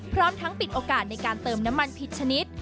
พร้อมทั้งปิดโอกาสในการเติมน้ำมันผิดชนิด